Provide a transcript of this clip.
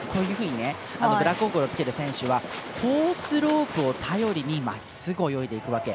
ブラックゴーグルを着けた選手はコースロープを頼りにまっすぐ泳いでいくわけ。